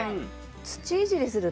土いじりするとね